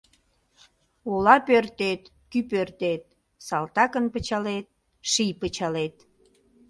Ола пӧртет — кӱ пӧртет, Салтакын пычалет — ший пычалет.